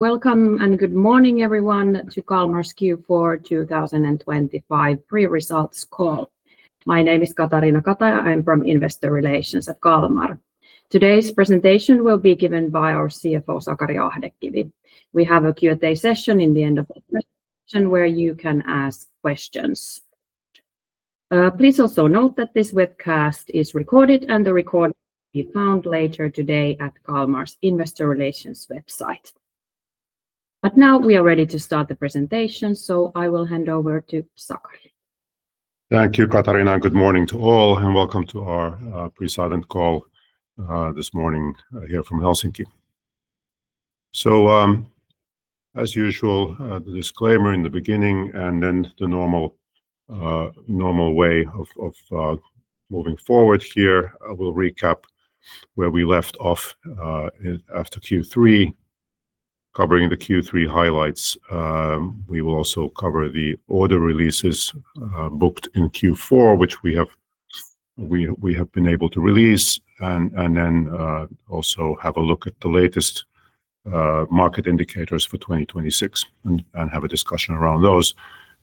Welcome and good morning, everyone, to Kalmar Q4 2025 pre-results call. My name is Katariina Kataja. I'm from Investor Relations at Kalmar. Today's presentation will be given by our CFO, Sakari Ahdekivi. We have a Q&A session at the end of the presentation where you can ask questions. Please also note that this webcast is recorded, and the recording will be found later today at Kalmar's Investor Relations website. But now we are ready to start the presentation, so I will hand over to Sakari. Thank you, Katariina, and good morning to all, and welcome to our pre-silent call this morning here from Helsinki. So, as usual, the disclaimer in the beginning, and then the normal way of moving forward here. I will recap where we left off after Q3, covering the Q3 highlights. We will also cover the order releases booked in Q4, which we have been able to release, and then also have a look at the latest market indicators for 2026 and have a discussion around those.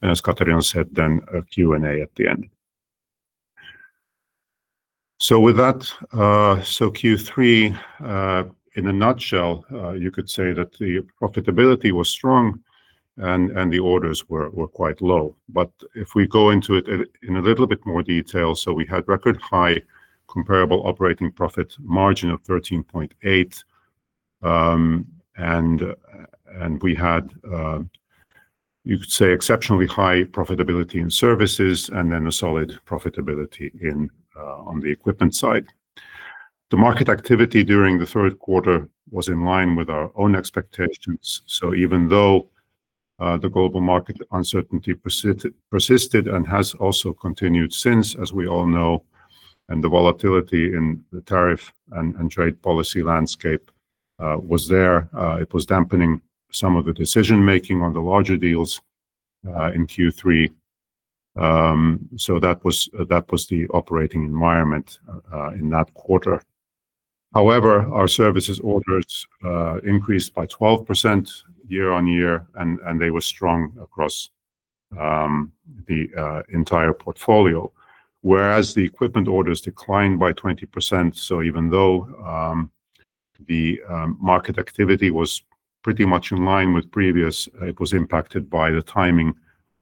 And as Katariina said, then a Q&A at the end. So with that, so Q3, in a nutshell, you could say that the profitability was strong and the orders were quite low. But if we go into it in a little bit more detail, so we had record high comparable operating profit margin of 13.8%, and we had, you could say, exceptionally high profitability in services and then a solid profitability on the equipment side. The market activity during the third quarter was in line with our own expectations. So even though the global market uncertainty persisted and has also continued since, as we all know, and the volatility in the tariff and trade policy landscape was there, it was dampening some of the decision-making on the larger deals in Q3. So that was the operating environment in that quarter. However, our services orders increased by 12% year-on-year, and they were strong across the entire portfolio, whereas the equipment orders declined by 20%. So even though the market activity was pretty much in line with previous, it was impacted by the timing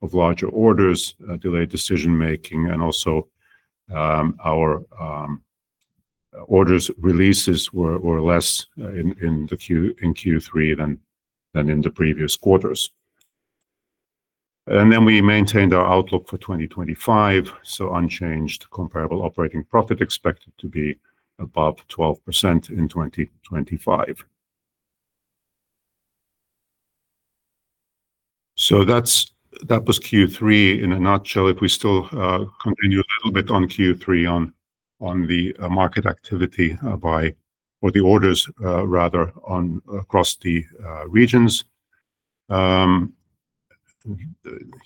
of larger orders, delayed decision-making, and also our order releases were less in Q3 than in the previous quarters. And then we maintained our outlook for 2025, so unchanged comparable operating profit expected to be above 12% in 2025. So that was Q3 in a nutshell. If we still continue a little bit on Q3, on the market activity by region, or the orders rather, across the regions,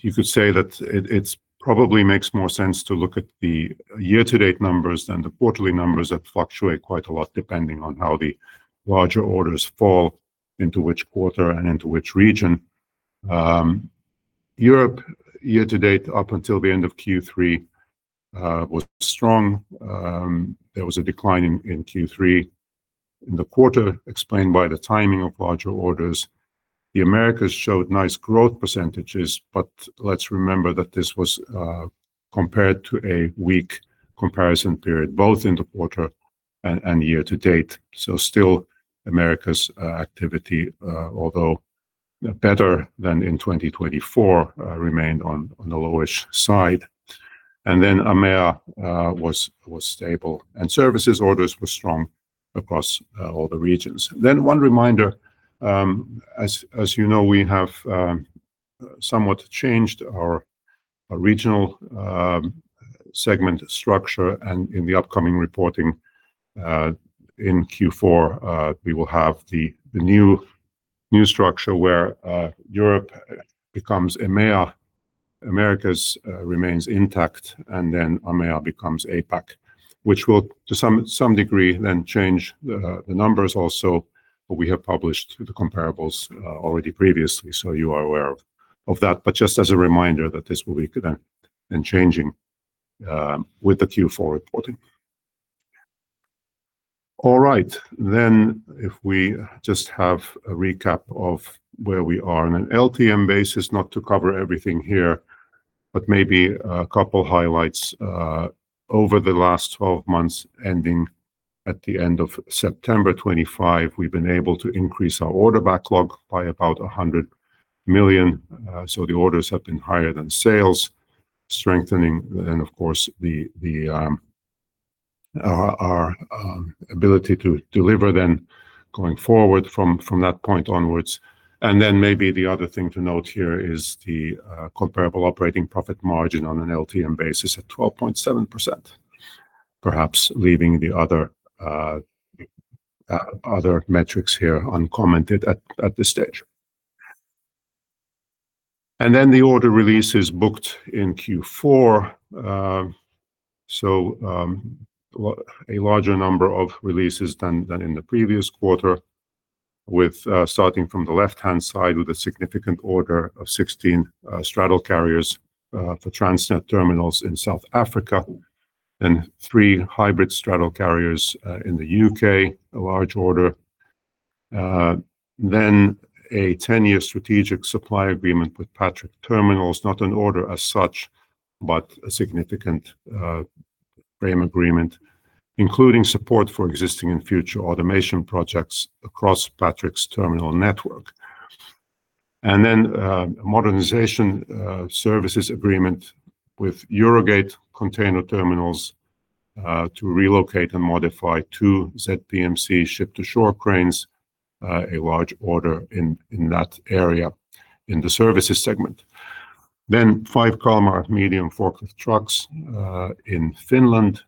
you could say that it probably makes more sense to look at the year-to-date numbers than the quarterly numbers that fluctuate quite a lot depending on how the larger orders fall into which quarter and into which region. Europe, year-to-date up until the end of Q3, was strong. There was a decline in Q3 in the quarter explained by the timing of larger orders. The Americas showed nice growth percentages, but let's remember that this was compared to a weak comparison period, both in the quarter and year-to-date, so still, Americas' activity, although better than in 2024, remained on the lowish side, and then IMEA was stable, and services orders were strong across all the regions, then one reminder, as you know, we have somewhat changed our regional segment structure, and in the upcoming reporting in Q4, we will have the new structure where Europe becomes EMEA, Americas remains intact, and then IMEA becomes APAC, which will, to some degree, then change the numbers also, but we have published the comparables already previously, so you are aware of that, but just as a reminder that this will be then changing with the Q4 reporting. All right, then if we just have a recap of where we are on an LTM basis, not to cover everything here, but maybe a couple of highlights. Over the last 12 months, ending at the end of September 2025, we've been able to increase our order backlog by about 100 million. So the orders have been higher than sales, strengthening, and of course, our ability to deliver then going forward from that point onwards. And then maybe the other thing to note here is the comparable operating profit margin on an LTM basis at 12.7%, perhaps leaving the other metrics here uncommented at this stage. Then the order releases booked in Q4, so a larger number of releases than in the previous quarter, starting from the left-hand side with a significant order of 16 straddle carriers for Transnet Terminals in South Africa, then 3 hybrid straddle carriers in the U.K., a large order. Then a 10-year strategic supply agreement with Patrick Terminals, not an order as such, but a significant frame agreement, including support for existing and future automation projects across Patrick's terminal network. Then a modernization services agreement with Eurogate Container Terminals to relocate and modify two ZPMC ship-to-shore cranes, a large order in that area in the services segment. Then five Kalmar medium forklift trucks in Finland,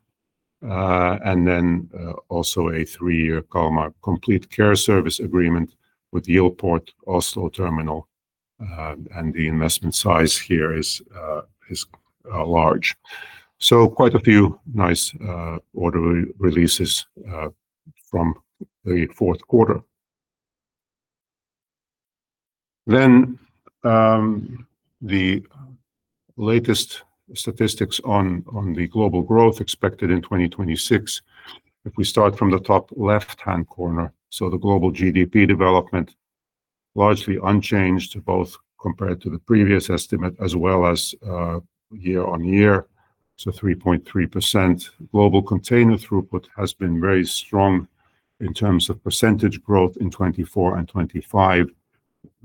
and then also a 3-year Kalmar Complete Care service agreement with Yilport Oslo Terminal, and the investment size here is large. So quite a few nice order releases from the fourth quarter. Then the latest statistics on the global growth expected in 2026. If we start from the top left-hand corner, so the global GDP development, largely unchanged both compared to the previous estimate as well as year-on-year, so 3.3%. Global container throughput has been very strong in terms of percentage growth in 2024 and 2025,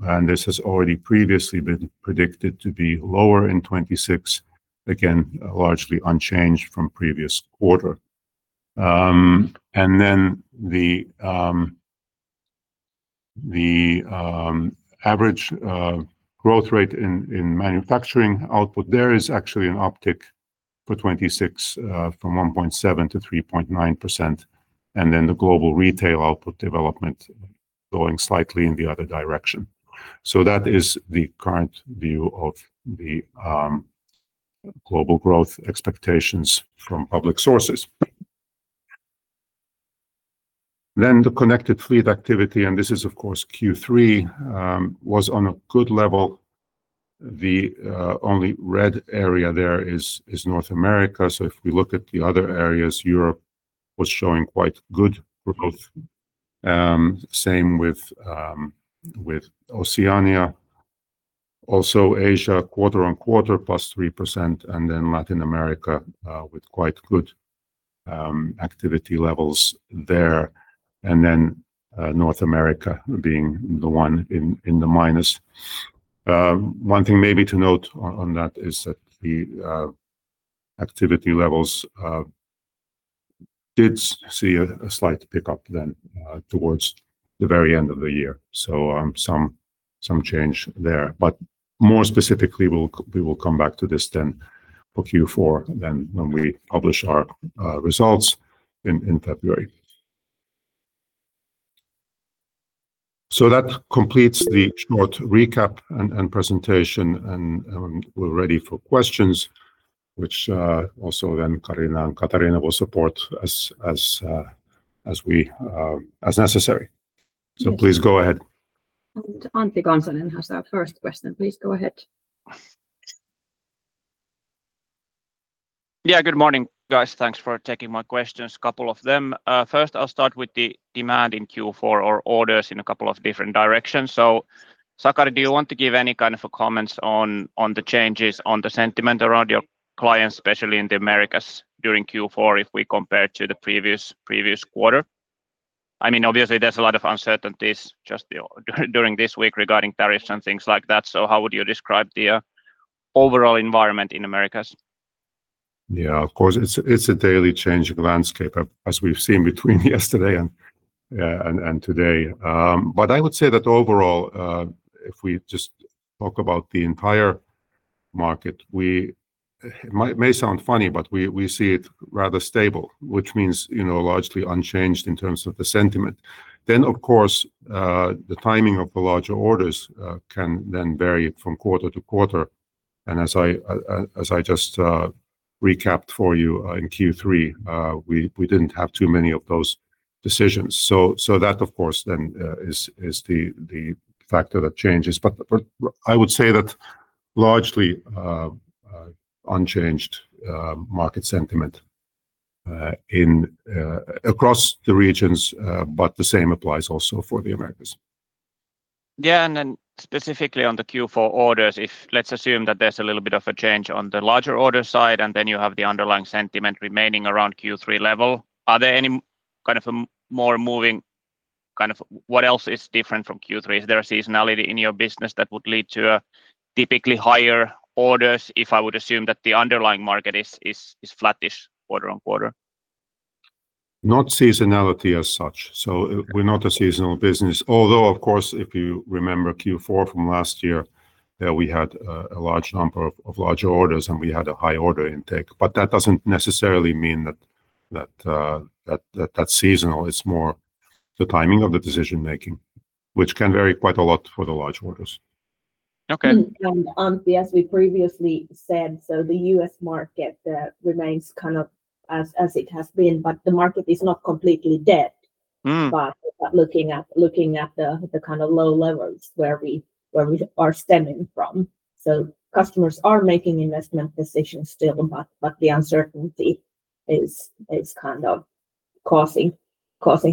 and this has already previously been predicted to be lower in 2026, again, largely unchanged from previous quarter. And then the average growth rate in manufacturing output there is actually an uptick for 2026 from 1.7%-3.9%, and then the global retail output development going slightly in the other direction. So that is the current view of the global growth expectations from public sources. Then the connected fleet activity, and this is, of course, Q3, was on a good level. The only red area there is North America. So if we look at the other areas, Europe was showing quite good growth, same with Oceania. Also Asia, quarter-on-quarter, +3%, and then Latin America with quite good activity levels there, and then North America being the one in the minus. One thing maybe to note on that is that the activity levels did see a slight pickup then towards the very end of the year. So some change there. But more specifically, we will come back to this then for Q4 then when we publish our results in February. So that completes the short recap and presentation, and we're ready for questions, which also then Katariina will support as necessary. So please go ahead. Antti Kansanen has our first question. Please go ahead. Yeah, good morning, guys. Thanks for taking my questions, a couple of them. First, I'll start with the demand in Q4 or orders in a couple of different directions. So Sakari, do you want to give any kind of comments on the changes on the sentiment around your clients, especially in the Americas during Q4 if we compare to the previous quarter? I mean, obviously, there's a lot of uncertainties just during this week regarding tariffs and things like that. So how would you describe the overall environment in the Americas? Yeah, of course, it's a daily changing landscape, as we've seen between yesterday and today. But I would say that overall, if we just talk about the entire market, it may sound funny, but we see it rather stable, which means largely unchanged in terms of the sentiment. Then, of course, the timing of the larger orders can then vary from quarter to quarter. And as I just recapped for you in Q3, we didn't have too many of those decisions. So that, of course, then is the factor that changes. But I would say that largely unchanged market sentiment across the regions, but the same applies also for the Americas. Yeah, and then specifically on the Q4 orders, if let's assume that there's a little bit of a change on the larger order side, and then you have the underlying sentiment remaining around Q3 level, are there any kind of more moving kind of what else is different from Q3? Is there a seasonality in your business that would lead to typically higher orders if I would assume that the underlying market is flattish quarter-on-quarter? Not seasonality as such. So we're not a seasonal business. Although, of course, if you remember Q4 from last year, we had a large number of larger orders and we had a high order intake. But that doesn't necessarily mean that that's seasonal. It's more the timing of the decision-making, which can vary quite a lot for the large orders. Okay. And as we previously said, so the U.S. market remains kind of as it has been, but the market is not completely dead. But looking at the kind of low levels where we are stemming from. So customers are making investment decisions still, but the uncertainty is kind of causing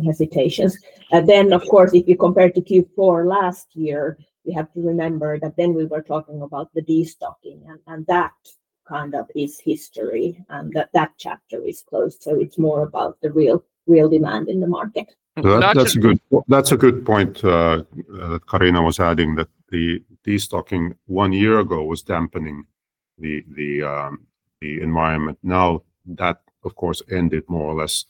hesitations. And then, of course, if you compare to Q4 last year, we have to remember that then we were talking about the destocking, and that kind of is history, and that chapter is closed. So it's more about the real demand in the market. That's a good point that Katariina was adding, that the destocking one year ago was dampening the environment. Now, that, of course, ended more or less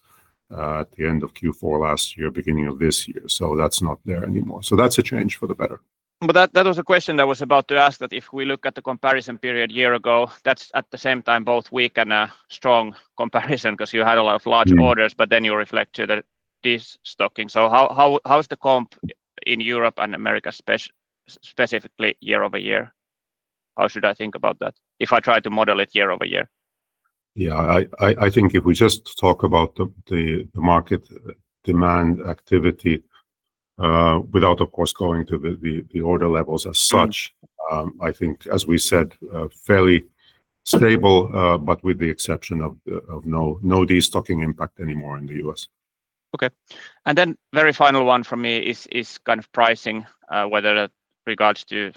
at the end of Q4 last year, beginning of this year. So that's not there anymore. So that's a change for the better. But that was a question that was about to ask that if we look at the comparison period year ago, that's at the same time both weak and a strong comparison because you had a lot of large orders, but then you reflect to the destocking. So how's the comp in Europe and America specifically year-over-year? How should I think about that if I try to model it year-over-year? Yeah, I think if we just talk about the market demand activity without, of course, going to the order levels as such, I think, as we said, fairly stable, but with the exception of no destocking impact anymore in the U.S. Okay. And then very final one for me is kind of pricing, whether that regards to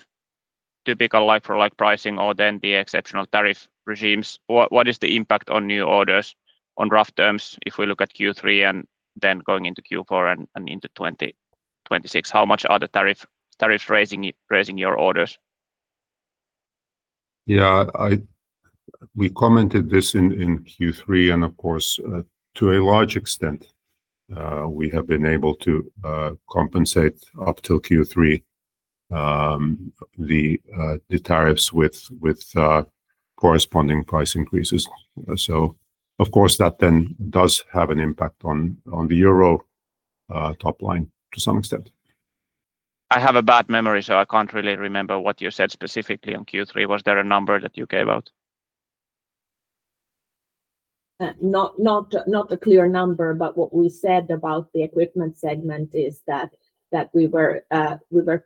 typical like-for-like pricing or then the exceptional tariff regimes. What is the impact on new orders on rough terrain if we look at Q3 and then going into Q4 and into 2026? How much are the tariffs raising your orders? Yeah, we commented this in Q3, and of course, to a large extent, we have been able to compensate up till Q3 the tariffs with corresponding price increases. So of course, that then does have an impact on the euro top line to some extent. I have a bad memory, so I can't really remember what you said specifically on Q3. Was there a number that you gave out? Not a clear number, but what we said about the equipment segment is that we were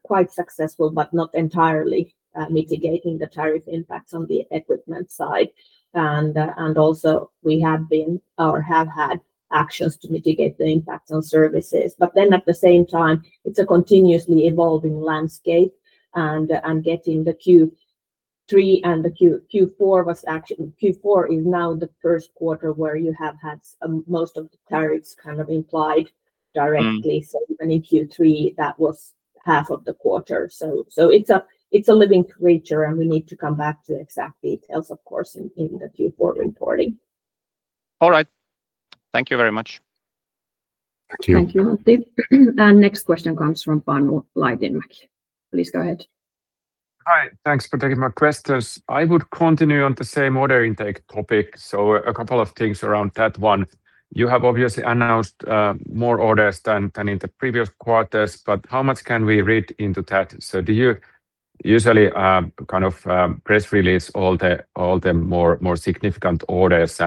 quite successful, but not entirely mitigating the tariff impacts on the equipment side. And also we have been or have had actions to mitigate the impacts on services. But then at the same time, it's a continuously evolving landscape, and getting the Q3 and the Q4 was actually Q4 is now the first quarter where you have had most of the tariffs kind of applied directly. So even in Q3, that was half of the quarter. So it's a living creature, and we need to come back to exact details, of course, in the Q4 reporting. All right. Thank you very much. Thank you. Thank you, Antti. And next question comes from Panu Laitinmäki. Please go ahead. Hi, thanks for taking my questions. I would continue on the same order intake topic. So a couple of things around that one. You have obviously announced more orders than in the previous quarters, but how much can we read into that? So do you usually kind of press release all the more significant orders?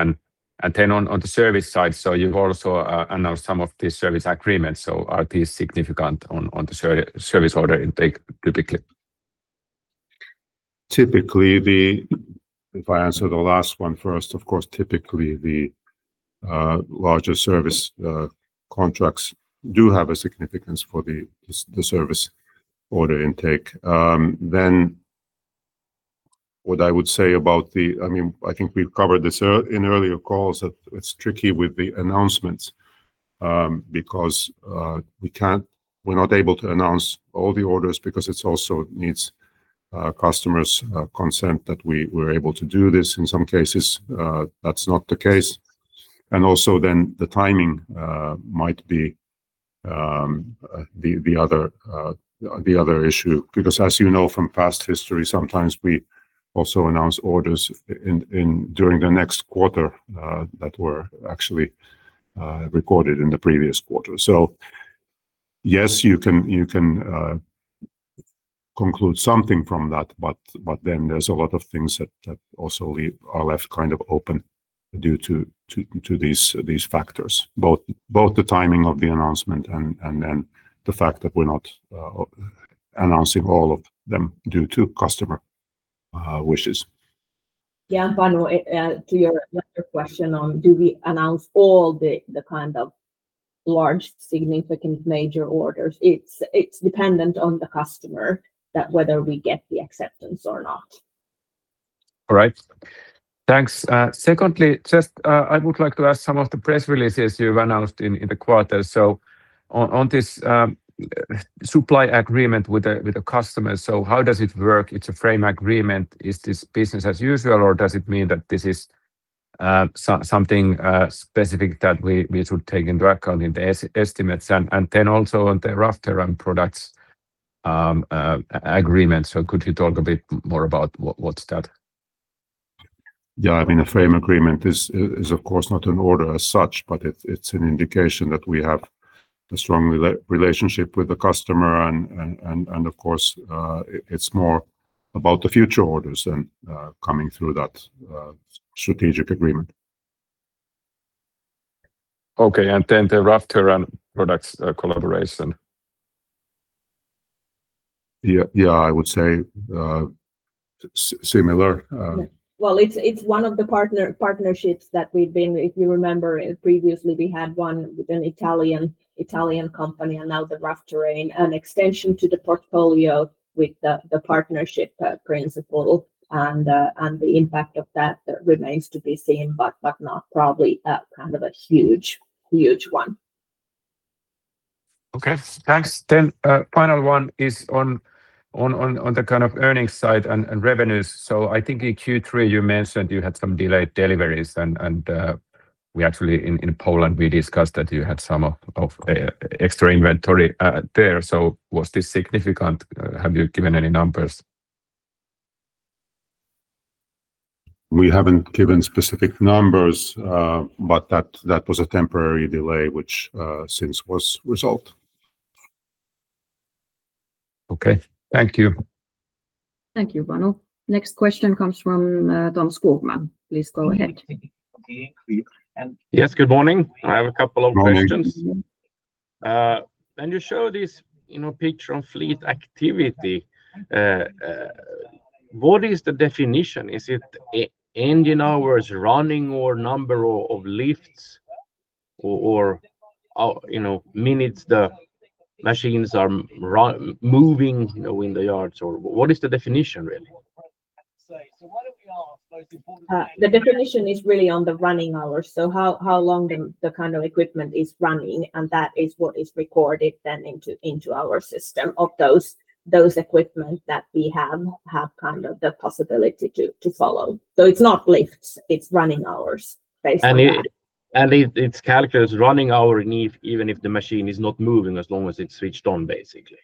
And then on the service side, so you also announced some of the service agreements. So are these significant on the service order intake typically? Typically, if I answer the last one first, of course, typically the larger service contracts do have a significance for the service order intake. Then what I would say about the, I mean, I think we've covered this in earlier calls, that it's tricky with the announcements because we're not able to announce all the orders because it also needs customers' consent that we're able to do this. In some cases, that's not the case. And also then the timing might be the other issue because, as you know from past history, sometimes we also announce orders during the next quarter that were actually recorded in the previous quarter. Yes, you can conclude something from that, but then there's a lot of things that also are left kind of open due to these factors, both the timing of the announcement and then the fact that we're not announcing all of them due to customer wishes. Yeah, and Panu, to your question on do we announce all the kind of large significant major orders, it's dependent on the customer that whether we get the acceptance or not. All right. Thanks. Secondly, just, I would like to ask some of the press releases you've announced in the quarter. So on this supply agreement with the customers, so how does it work? It's a frame agreement. Is this business as usual, or does it mean that this is something specific that we should take into account in the estimates? And then also on the rough terrain products agreement. So could you talk a bit more about what's that? Yeah, I mean, a frame agreement is, of course, not an order as such, but it's an indication that we have a strong relationship with the customer and of course, it's more about the future orders than coming through that strategic agreement. Okay. And then the rough terrain products collaboration? Yeah, I would say similar. It's one of the partnerships that we've been, if you remember, previously we had one with an Italian company and now the rough terrain, an extension to the portfolio with the partnership principle. The impact of that remains to be seen, but not probably kind of a huge one. Okay. Thanks. Then final one is on the kind of earnings side and revenues. So I think in Q3 you mentioned you had some delayed deliveries, and we actually in Poland, we discussed that you had some of extra inventory there. So was this significant? Have you given any numbers? We haven't given specific numbers, but that was a temporary delay, which since was resolved. Okay. Thank you. Thank you, Panu. Next question comes from Tom Skogman. Please go ahead. Yes, good morning. I have a couple of questions. Can you show this picture on fleet activity? What is the definition? Is it engine hours running or number of lifts or minutes the machines are moving in the yards? Or what is the definition really? The definition is really on the running hours. So how long the kind of equipment is running, and that is what is recorded then into our system of those equipment that we have kind of the possibility to follow. So it's not lifts, it's running hours basically. It's calculated as running hour even if the machine is not moving as long as it's switched on, basically.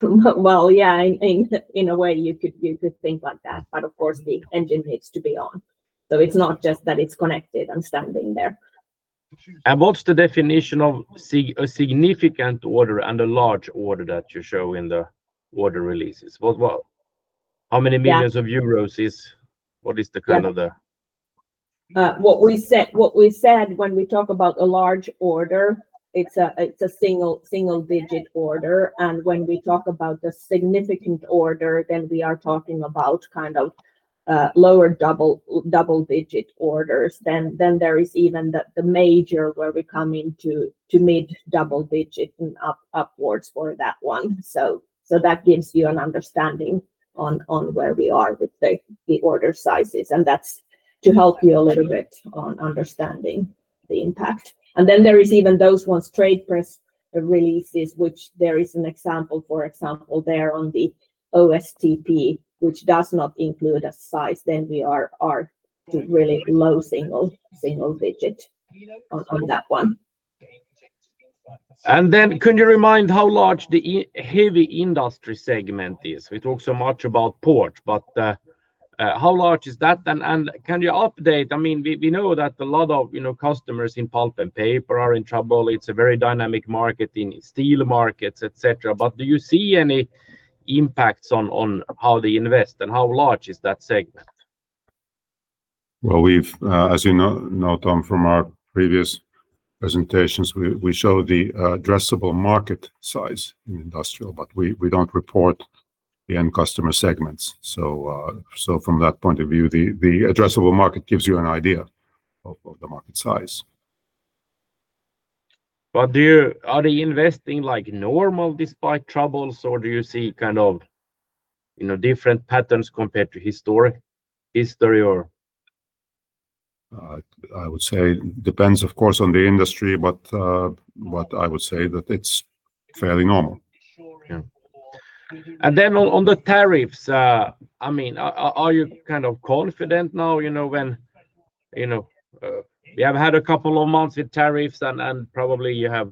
Yeah, in a way, you could think like that. Of course, the engine needs to be on. It's not just that it's connected and standing there. What's the definition of a significant order and a large order that you show in the order releases? How many millions of euros is what is the kind of the? What we said when we talk about a large order, it's a single-digit order. And when we talk about the significant order, then we are talking about kind of lower double-digit orders. Then there is even the major where we come into mid-double digit and upwards for that one. So that gives you an understanding on where we are with the order sizes. And that's to help you a little bit on understanding the impact. And then there is even those ones trade press releases, which there is an example, for example, there on the OSTP, which does not include a size. Then we are to really low single-digit on that one. And then, could you remind how large the heavy industry segment is? We talked so much about ports, but how large is that? And can you update? I mean, we know that a lot of customers in pulp and paper are in trouble. It's a very dynamic market in steel markets, etc. But do you see any impacts on how they invest, and how large is that segment? As you know, Tom, from our previous presentations, we show the addressable market size in industrial, but we don't report the end customer segments. So from that point of view, the addressable market gives you an idea of the market size. But are they investing like normal despite troubles, or do you see kind of different patterns compared to history or? I would say it depends, of course, on the industry, but I would say that it's fairly normal. And then on the tariffs, I mean, are you kind of confident now when we have had a couple of months with tariffs and probably you have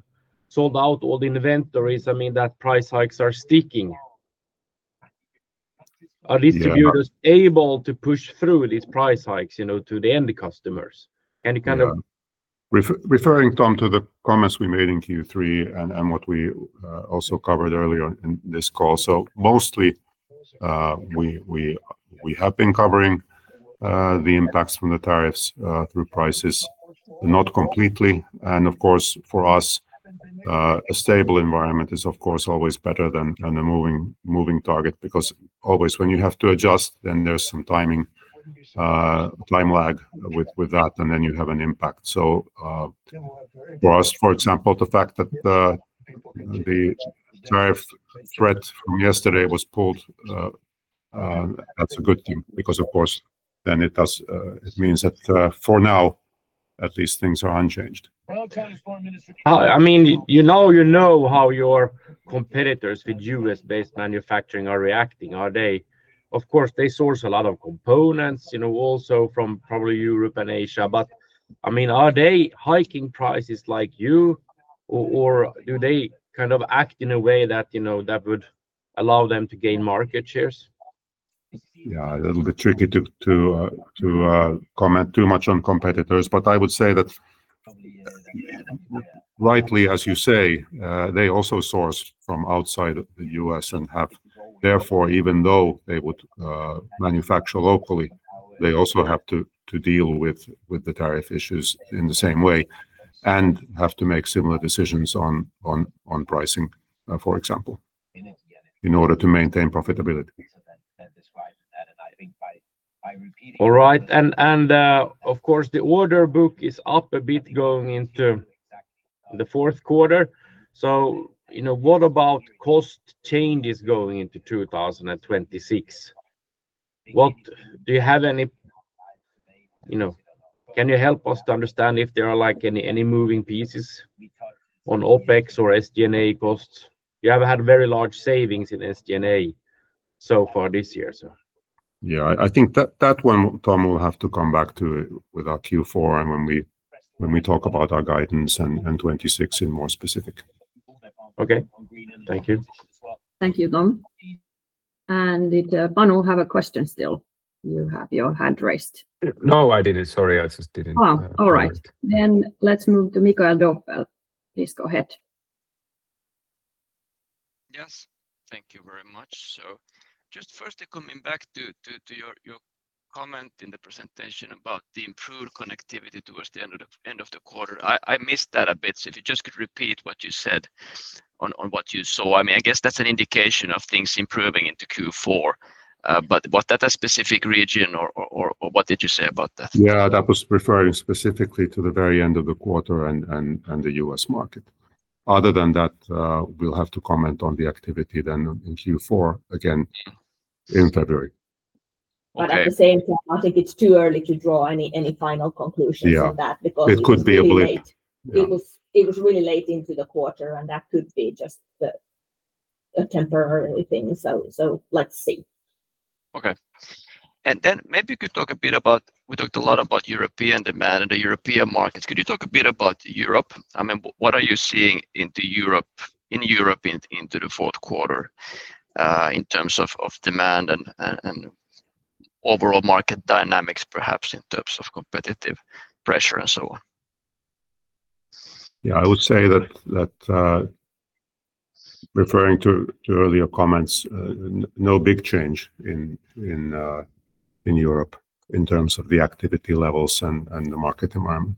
sold out all the inventories? I mean, that price hikes are sticking. Are distributors able to push through these price hikes to the end customers? Can you kind of? Referring, Tom, to the comments we made in Q3 and what we also covered earlier in this call. So mostly we have been covering the impacts from the tariffs through prices, not completely. And of course, for us, a stable environment is, of course, always better than a moving target because always when you have to adjust, then there's some timing time lag with that, and then you have an impact. So for us, for example, the fact that the tariff threat from yesterday was pulled, that's a good thing because, of course, then it means that for now, at least things are unchanged. I mean, you know how your competitors with U.S.-based manufacturing are reacting. Of course, they source a lot of components also from probably Europe and Asia. But I mean, are they hiking prices like you, or do they kind of act in a way that would allow them to gain market shares? Yeah, a little bit tricky to comment too much on competitors, but I would say that rightly, as you say, they also source from outside the U.S. and have, therefore, even though they would manufacture locally, they also have to deal with the tariff issues in the same way and have to make similar decisions on pricing, for example, in order to maintain profitability. All right, and of course, the order book is up a bit going into the fourth quarter, so what about cost changes going into 2026? Do you have any? Can you help us to understand if there are any moving pieces on OPEX or SG&A costs? You haven't had very large savings in SG&A so far this year, so. Yeah, I think that one, Tom, we'll have to come back to with our Q4 and when we talk about our guidance and 2026 in more specifics. Okay. Thank you. Thank you, Tom. And did Panu have a question still? You have your hand raised. No, I didn't. Sorry, I just didn't. All right. Then let's move to Mikael Doepel. Please go ahead. Yes. Thank you very much. So just firstly coming back to your comment in the presentation about the improved connectivity towards the end of the quarter, I missed that a bit. So if you just could repeat what you said on what you saw. I mean, I guess that's an indication of things improving into Q4. But was that a specific region or what did you say about that? Yeah, that was referring specifically to the very end of the quarter and the U.S. market. Other than that, we'll have to comment on the activity then in Q4 again in February. But at the same time, I think it's too early to draw any final conclusions on that because it was really late into the quarter, and that could be just a temporary thing. So let's see. Okay. And then maybe we could talk a bit about we talked a lot about European demand and the European markets. Could you talk a bit about Europe? I mean, what are you seeing in Europe into the fourth quarter in terms of demand and overall market dynamics, perhaps in terms of competitive pressure and so on? Yeah, I would say that referring to earlier comments, no big change in Europe in terms of the activity levels and the market environment.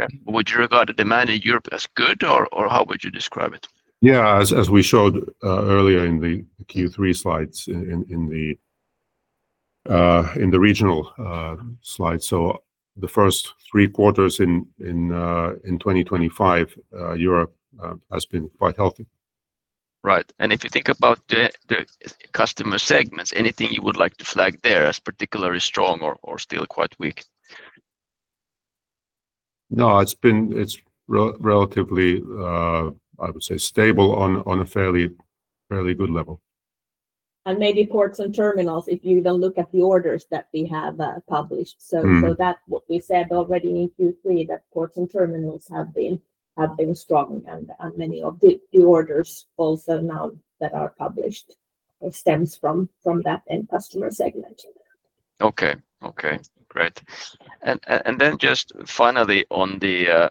Okay. Would you regard the demand in Europe as good, or how would you describe it? Yeah, as we showed earlier in the Q3 slides, in the regional slides, so the first three quarters in 2025, Europe has been quite healthy. Right. And if you think about the customer segments, anything you would like to flag there as particularly strong or still quite weak? No, it's relatively, I would say, stable on a fairly good level. And maybe ports and terminals if you don't look at the orders that we have published. So that's what we said already in Q3, that ports and terminals have been strong. And many of the orders also now that are published stems from that end customer segment. Okay. Okay. Great. And then just finally on the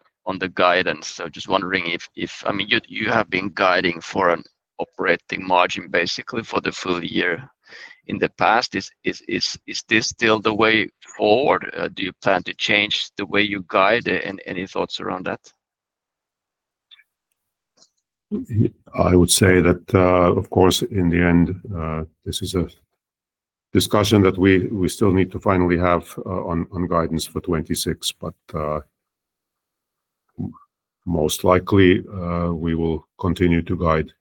guidance, so just wondering if, I mean, you have been guiding for an operating margin basically for the full year in the past. Is this still the way forward? Do you plan to change the way you guide it? Any thoughts around that? I would say that, of course, in the end, this is a discussion that we still need to finally have on guidance for 2026. But most likely, we will continue to guide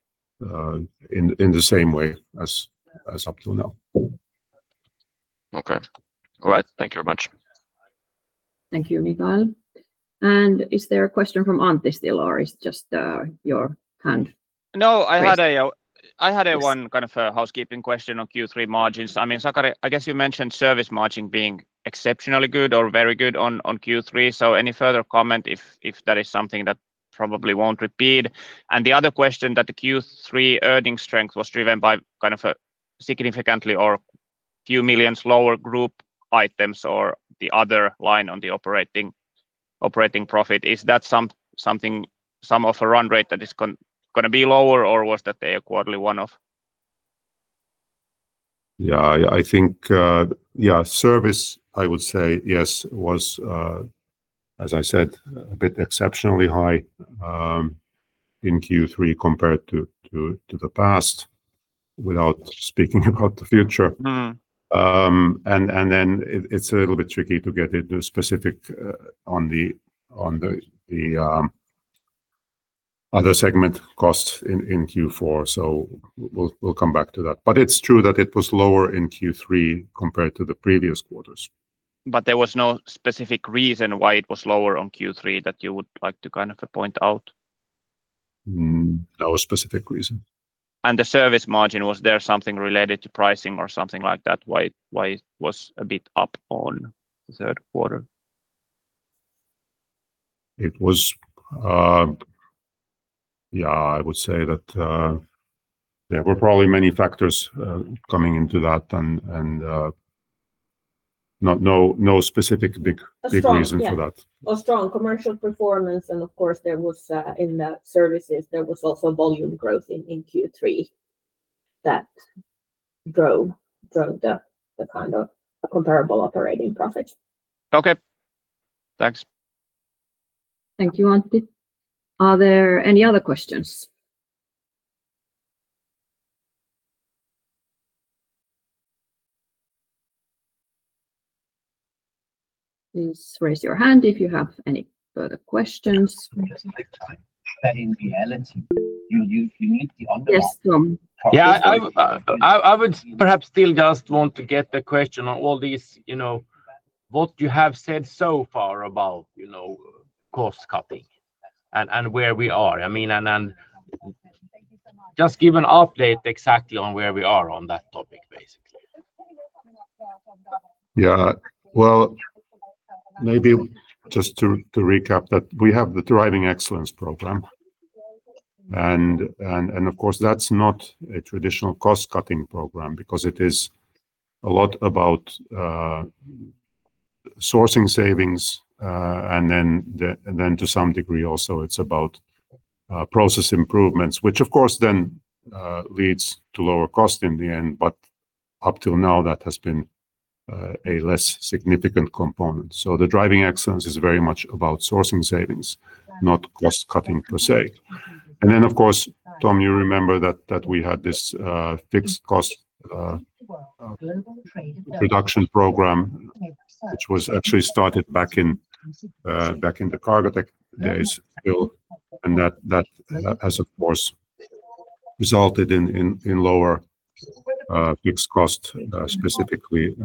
in the same way as up till now. Okay. All right. Thank you very much. Thank you, Mikael. And is there a question from Antti still, or is it just your hand? No, I had a one kind of housekeeping question on Q3 margins. I mean, Sakari, I guess you mentioned service margin being exceptionally good or very good on Q3. So any further comment if that is something that probably won't repeat? And the other question that the Q3 earnings strength was driven by kind of a significantly or a few millions lower group items or the other line on the operating profit. Is that something some of a run rate that is going to be lower, or was that a quarterly one-off? Yeah, I think, yeah, service, I would say, yes, was, as I said, a bit exceptionally high in Q3 compared to the past, without speaking about the future, and then it's a little bit tricky to get into specifics on the other segment costs in Q4, so we'll come back to that, but it's true that it was lower in Q3 compared to the previous quarters. But there was no specific reason why it was lower on Q3 that you would like to kind of point out? No specific reason. The service margin, was there something related to pricing or something like that? Why it was a bit up on the third quarter? It was, yeah, I would say that there were probably many factors coming into that and no specific big reason for that. Strong commercial performance. Of course, in the services, there was also volume growth in Q3 that drove the kind of comparable operating profit. Okay. Thanks. Thank you, Antti. Are there any other questions? Please raise your hand if you have any further questions. Yes, Tom. I would perhaps still just want to get the question on all these, what you have said so far about cost cutting and where we are. I mean, and just give an update exactly on where we are on that topic, basically. Yeah. Well, maybe just to recap that we have the Driving Excellence program. Of course, that's not a traditional cost-cutting program because it is a lot about sourcing savings. Then to some degree also, it's about process improvements, which of course then leads to lower cost in the end. Up till now, that has been a less significant component. The Driving Excellence is very much about sourcing savings, not cost-cutting per se. Then, of course, Tom, you remember that we had this fixed cost reduction program, which was actually started back in the Cargotec days. That has, of course, resulted in lower fixed cost specifically,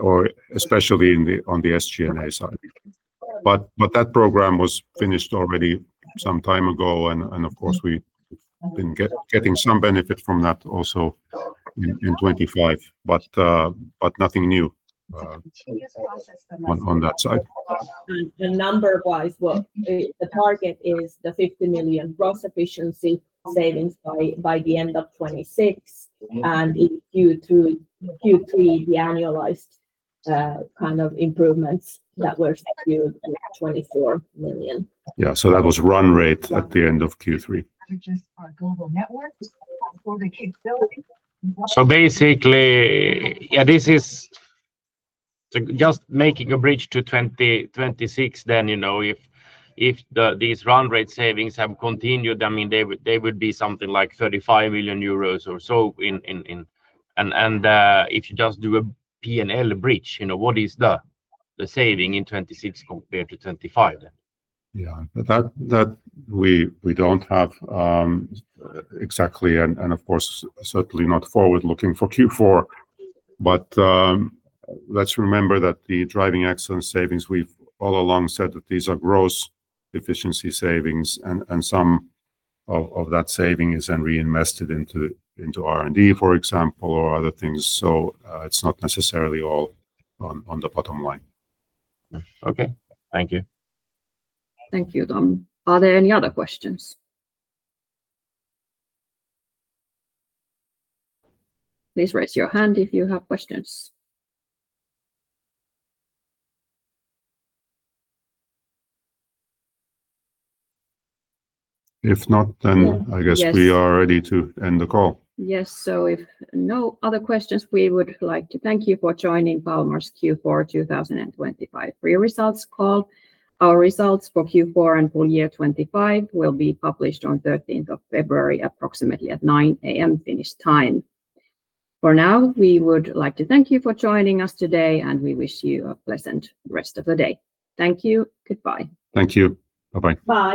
or especially on the SG&A side. That program was finished already some time ago. Of course, we've been getting some benefit from that also in 2025, but nothing new on that side. The number-wise, the target is the 50 million gross efficiency savings by the end of 2026, and due to Q3, the annualized kind of improvements that were skewed with 24 million. Yeah. So that was run rate at the end of Q3. Basically, yeah, this is just making a bridge to 2026. Then if these run rate savings have continued, I mean, they would be something like 35 million euros or so. And if you just do a P&L bridge, what is the saving in 2026 compared to 2025? Yeah. That we don't have exactly, and of course, certainly not forward-looking for Q4. But let's remember that the Driving Excellence savings, we've all along said that these are gross efficiency savings, and some of that saving is then reinvested into R&D, for example, or other things. So it's not necessarily all on the bottom line. Okay. Thank you. Thank you, Tom. Are there any other questions? Please raise your hand if you have questions. If not, then I guess we are ready to end the call. Yes, so if no other questions, we would like to thank you for joining Kalmar's Q4 2025 pre-results call. Our results for Q4 and full year 2025 will be published on 13th of February, approximately at 9:00 A.M. Finnish time. For now, we would like to thank you for joining us today, and we wish you a pleasant rest of the day. Thank you. Goodbye. Thank you. Bye-bye. Bye.